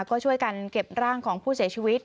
ก็ช่วยกันเก็บร่างของผู้เสียชีวิต